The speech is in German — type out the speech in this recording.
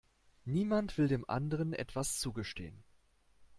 Niemand will dem anderen etwas zugestehen.